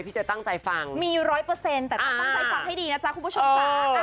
พี่เจ๊ตั้งใจฟังมีร้อยเปอร์เซ็นต์แต่ตั้งใจฟังให้ดีนะจ๊ะคุณผู้ชมเออ